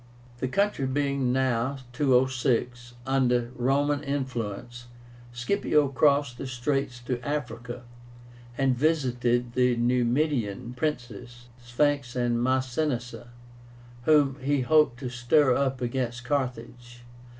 The country being now (206) under Roman influence, Scipio crossed the straits to Africa, and visited the Numidian princes, SYPHAX and MASINISSA, whom he hoped to stir up against Carthage.